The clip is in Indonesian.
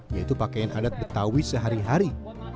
yaitu pakaian adat betawi sehari hari